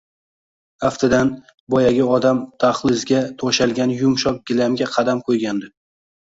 Aftidan, boyagi odam dahlizga to`shalgan yumshoq gilamga qadam qo`ygandi